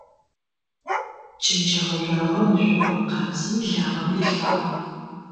Кӏэнкӏэ гъэжъуагъэм ышъо ыгъэкъабзи лагъэм рилъхьагъ.